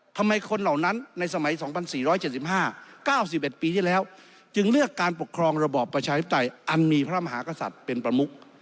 ทำไมคนเหล่านั้นในสมัย๒๔๗๕๙๑ปีที่แล้วจึงเลือกการปกครองระบอบประชาธิปไตยอันมีพระมหากษัตริย์เป็นประมุก